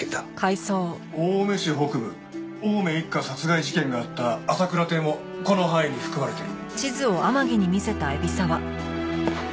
青梅市北部青梅一家殺害事件があった浅倉邸もこの範囲に含まれてる。